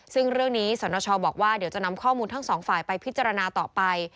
ซึ่งเรื่องนี้สนชบอกว่าเดี๋ยวจะนำข้อมูลทั้งสองฝ่ายไปพิจารณาต่อไป